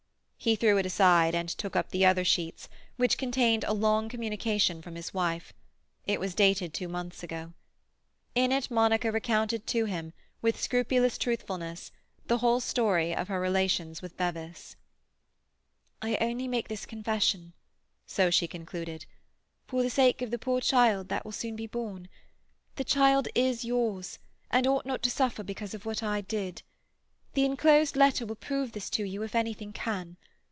He threw it aside and took up the other sheets, which contained a long communication from his wife; it was dated two months ago. In it Monica recounted to him, with scrupulous truthfulness, the whole story of her relations with Bevis. "I only make this confession"—so she concluded—"for the sake of the poor child that will soon be born. The child is yours, and ought not to suffer because of what I did. The enclosed letter will prove this to you, if anything can.